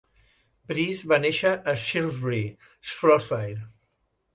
Preece va néixer a Shrewsbury, Shropshire.